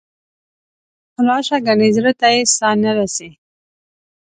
راشه ګنې زړه ته یې ساه نه رسي.